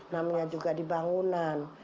namanya juga di bangunan